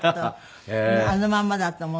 あのまんまだと思ってた。